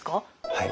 はい。